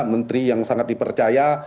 menteri yang sangat dipercaya